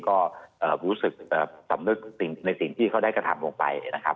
ก็รู้สึกสำนึกในสิ่งที่เขาได้กระทำลงไปนะครับ